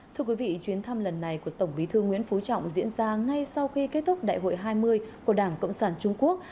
thưa quý vị chuyến thăm lần này của tổng bí thư nguyễn phú trọng diễn ra ngay sau khi kết thúc đại hội hai mươi của đảng cộng sản trung quốc